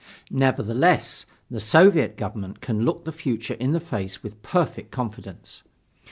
Nevertheless, the Soviet Government can look the future in the face with perfect confidence.